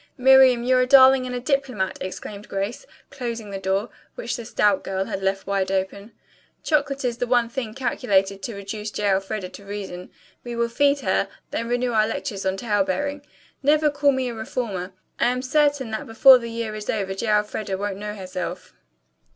"Miriam, you're a darling and a diplomat!" exclaimed Grace, closing the door, which the stout girl had left wide open. "Chocolate is the one thing calculated to reduce J. Elfreda to reason. We will feed her, then renew our lectures on tale bearing. Never call me a reformer. I am certain that before the year is over J. Elfreda won't know herself."